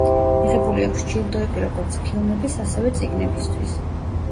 მიღებული აქვს ჯილდოები როგორც ფილმების, ასევე წიგნებისთვის.